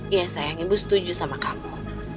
ya sayang ibu setuju sama kamu